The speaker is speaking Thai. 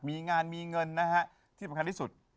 มีงานมีเงินนะฮะที่สำคัญที่สุด